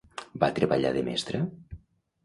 Va treballar de mestra?